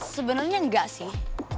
sebenernya enggak sih